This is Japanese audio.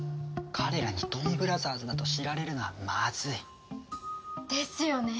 彼らにドンブラザーズだと知られるのはまずい。ですよね。